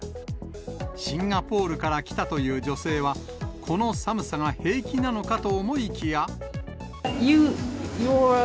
シンガポールから来たという女性は、この寒さが平気なのかと思いきや。